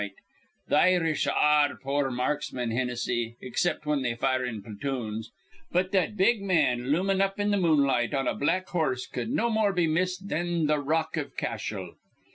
Th' Irish ar re poor marksmen, Hinnissy, except whin they fire in platoons; but that big man loomin' up in th' moonlight on a black horse cud no more be missed thin th' r rock iv Cashel.